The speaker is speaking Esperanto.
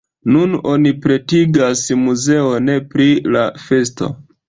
Nun oni pretigas muzeon pri la festo.